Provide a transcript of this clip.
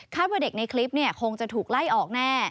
ว่าเด็กในคลิปคงจะถูกไล่ออกแน่